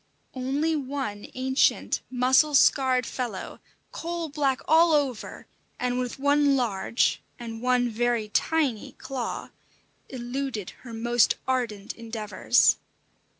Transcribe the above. Only one ancient, mussel scarred fellow, coal black all over, and with one large and one very tiny claw, eluded her most ardent endeavours.